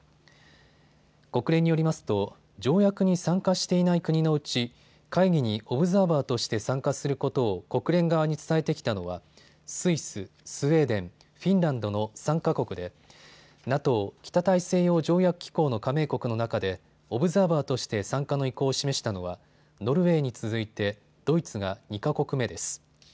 国連によりますと条約に参加していない国のうち会議にオブザーバーとして参加することを国連側に伝えてきたのはスイス、スウェーデン、フィンランドの３か国でＮＡＴＯ・北大西洋条約機構の加盟国の中でオブザーバーとして参加の意向を示したのはノルウェーに続いてドイツが２か国目です。